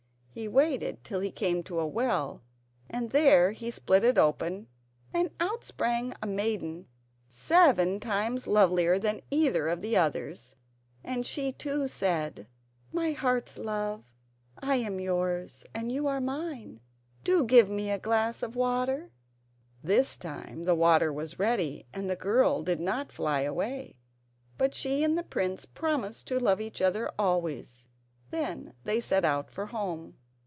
He waited till he came to a well, and there he split it open, and out sprang a maiden seven times lovelier than either of the others, and she too said: "My heart's love, I am yours and you are mine; do give me a glass of water." This time the water was ready and the girl did not fly away, but she and the prince promised to love each other always. Then they set out for home.